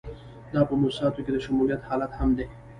دا په موسساتو کې د شمولیت حالت هم دی.